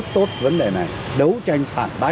tốt vấn đề này đấu tranh phản bác